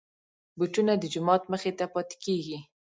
بوټونه د جومات مخې ته پاتې کېږي.